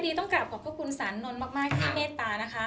ต้องกลับขอบพระคุณสานนท์มากที่เมตตานะคะ